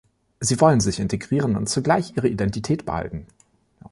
Sie wollen sich integrieren und zugleich ihre Identität behalten.